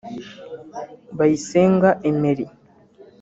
Bayisenga Emery